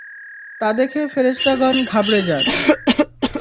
তা দেখে ফেরেশতাগণ ঘাবড়ে যান।